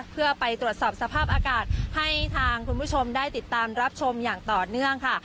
เพื่อไปตรวจสอบสภาพอากาศให้ทางคุณผู้ชมได้ติดตามรับชมอย่างต่อเนื่องค่ะ